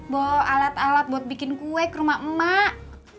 bawa alat alat buat bikin kue ke rumah emak emak